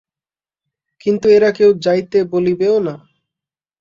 কিন্তু এরা কেউ যাইতে বলিবেও না।